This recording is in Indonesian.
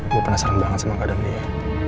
gua penasaran banget sama keadaan dia